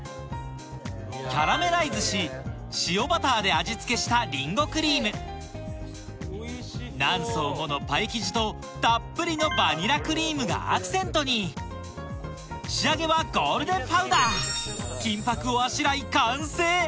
キャラメライズし塩バターで味付けしたリンゴクリーム何層ものパイ生地とたっぷりのバニラクリームがアクセントに仕上げはゴールデンパウダー金箔をあしらい完成！